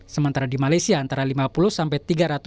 sementara di malaysia antara lima puluh sampai tiga ratus